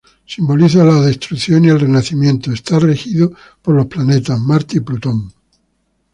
Simboliza la destrucción y el renacimiento, está regido por los planetas Marte y Plutón.